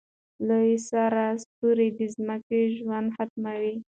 لوی سره ستوری د ځمکې ژوند ختموي.